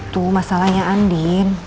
tuh masalahnya andi